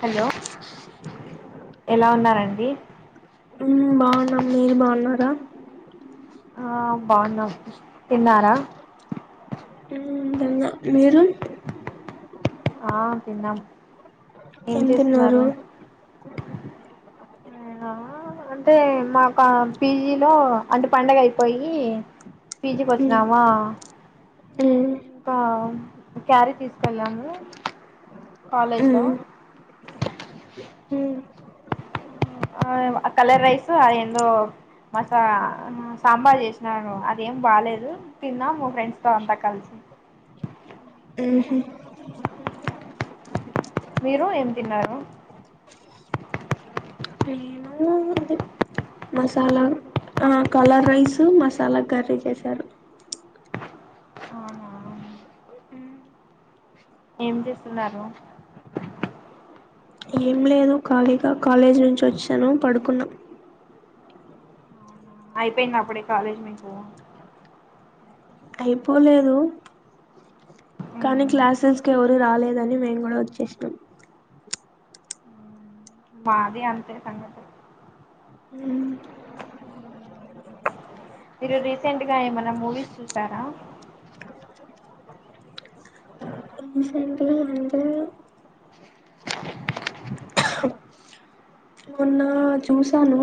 Hello ఎలా ఉన్నారండి ఉం బాగున్నా మీరు బాగున్నా స ఆ బాగున్నా ఉ తిన్నా మీరు ఆ తిన్నాం ఏం చేస్తున్నారు అయనా అంటే మాకు పీజీలో అంటే పండగ అయిపోయి పిజికి మ్మ్ వచ్చినమా మ్మ్ ఇంకా క్యారీ తీసుకెళ్ళాము కాలేజ్ లో మ్మ్ మ్మ్ ఆ కలర్ రైస్ అదేందో మసా సాంబార్ చేసినారు అదేం బాలేదు తిన్నా మా ఫ్రెండ్స్ తో అంతా కలిసి ఉహు మీరు ఏం తిన్నారు నేను అదే మసాలా ఆ కలర్ రైస్ మసాలా కర్రీ చేసారు అవునా ఏం చేస్తున్నారు ఏం లేదు ఖాళీగా కాలేజీ నుంచి వచ్చాను పడుకున్నాం అయిపోయింద అప్పుడే కాలేజ్ మీకు అయిపోలేదు కానీ ఉమ్, క్లాసెస్కి ఎవరు రాలేదని మేము కూడా వచ్చేశినం మాది అంతే సంఘతి మ్మ్ మీరు రీసెంట్ గా ఏమన్నా మూవీస్ చూసారా రీసెంట్ గా అంటే ఆ చూసాను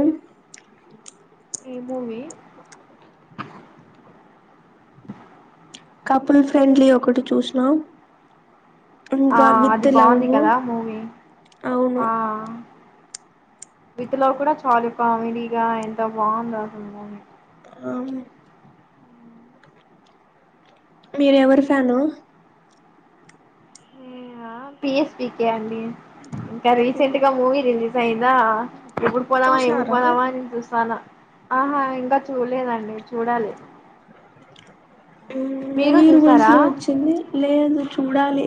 భూమి కపుల్ ఫ్రెండ్లీ ఒకటి చూసినా ఆ ఇంకా విత్ అది బాగుంది లవ్ కదా మూవీ అవును ఆ విత్ లవ్వు కూడా చాలు కామిడిగా ఎంత బాగుందో అసలు మూవీ ఆ మీరు ఎవరు ఫాను హా పి ఎస్ పి కె అండి ఇంకా రీసెంట్ గా మూవీ రిలీజ్ అయిందా ఎప్పుడు పోదావా ఎప్పుడు చూసినారా పోదామా అని చూస్తా ఉన్నా ఆహా ఇంకా చూడలేదండి చూడాలి. మీరు మూవీ ర చూసారా వైస్లో వచ్చింది లేదు. చూడాలి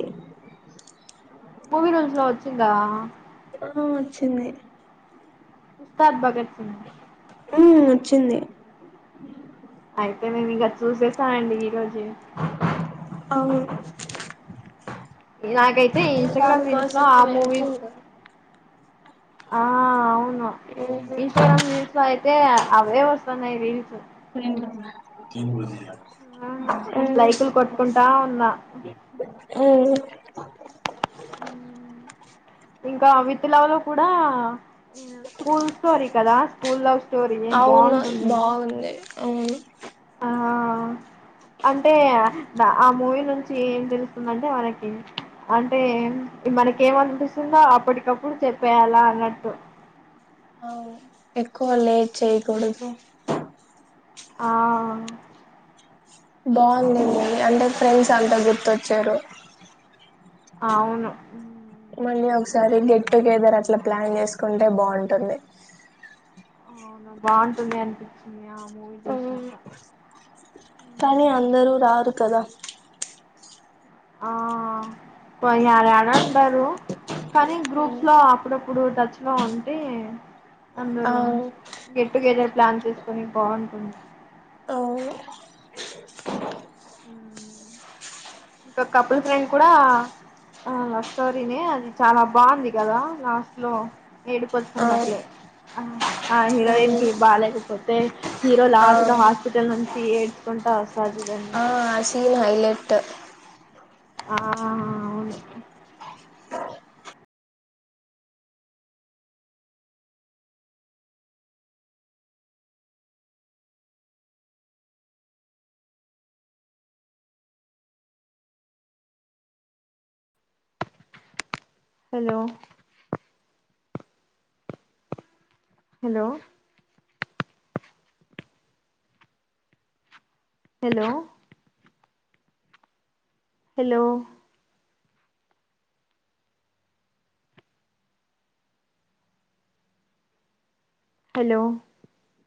మూవీ రోంస్ లో వచ్చిందా! ఆ వచ్చింది. ఉస్తాద్ భగత్ సింగ్ మ్ వచ్చింది అయితే నేను ఇక చూసేసానండి ఈరోజే అవును ఇలాగైతే తీయ్ ఇన్స్టగ్రామ్ రీల్స్ లో దానికోసమే ఆ మూవిస్ వెయిటింగ్ ఆ అవును మ్మ్ ఇన్స్టాగ్రామ్ రీల్స్ లో అయితే అవే వస్తున్నాయి రీల్స్ తజ ఆ లైకులు కొట్టుకుంటా ఉన్నా మ్మ్ హ్మ్ ఇంకా విత్ లవ్ లో కూడా స్కూల్ స్టోరీ కదా స్కూల్ లవ్ స్టోరీ అవును బాగుంటుంది బాగుంది. అవును ఆ అంటే ఆ మూవీ నుంచి ఏం తెలుస్తుందంటే మనకి అంటే మనకి ఏమనిపిస్తుందో అప్పటికప్పుడు చెప్పేయాలా అన్నట్టు ఎకువ లేేట్ చేయకూడదు. ఆ బాగుందండి అంటే ఫ్రెండ్స్ అంతా గుర్తొచ్చారు. అవును అ ఒకసారి గెట్ టుగెదర్ అట్లా ప్లాన్ చేసుకుంటే బాగుంటుంది. అవునా బాగుంటుంది అనిపించిందియా ఆ కానీ అందరూ రారు కదా ఆ పోయ్యారా అంటరు. కానీ గ్రూప్స్ లో అప్పుడప్ ఇప్పుడు టచ్ లో ఉంటే అందరు అవును గెట్టుగెదర్ ప్లాన్ చేస్ కొని బాగుంటుంది అవును మ్ ఒక కపుల్ ఫ్రెండ్ కూడా లవ్ స్టోరీనే అది చాలా బాగుంది. కదా లాస్ట్ లో అవును ఏడిపస్తున్నట్లే ఆ హీరోయిన్ అవును కి బాలేేకపోతే హీరో లాస్ట్ లో హాస్పిటల్ నుంచి ఏడ్చుకుంటూ వస్తారు చూడండి. ఆసైన్ హైలెట్ ఆ అవును hello hello hello hello hello